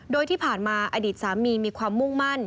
โดยที่ผ่านมาอดีตสามีมีความมุ่งมั่น